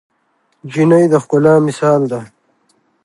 نجلۍ د ښکلا مثال ده.